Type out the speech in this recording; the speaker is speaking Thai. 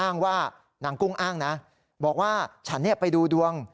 นางกุ้งอ้างนะบอกว่าฉันไปดูดวง